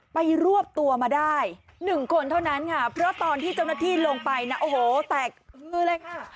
รวบตัวมาได้๑คนเท่านั้นค่ะเพราะตอนที่เจ้าหน้าที่ลงไปนะโอ้โหแตกมือเลยค่ะ